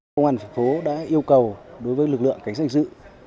công an thành phố đã yêu cầu đối với lực lượng cánh sạch dự